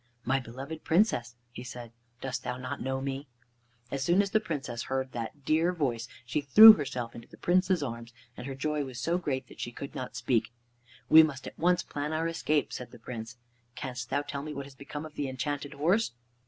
"My beloved Princess," he said, "dost thou not know me?" As soon as the Princess heard that dear voice she threw herself into the Prince's arms, and her joy was so great that she could not speak. "We must at once plan our escape," said the Prince. "Canst thou tell me what has become of the Enchanted Horse?"